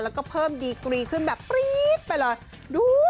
แล้วก็เพิ่มดีกรีขึ้นแบบปรี๊ดไปเลยดู